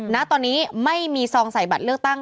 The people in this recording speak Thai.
ณตอนนี้ไม่มีซองใส่บัตรเลือกตั้ง